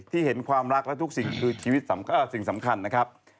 เห็นความรักและทุกสิ่งคือชีวิตสิ่งสำคัญนะครับ